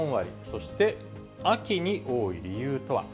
そして、秋に多い理由とは。